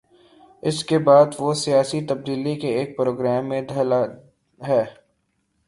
اس کے بعد وہ سیاسی تبدیلی کے ایک پروگرام میں ڈھلا ہے۔